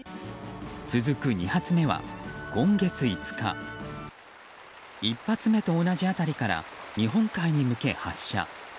続く２発目は今月５日１発目と同じ辺りから日本海に向け発射。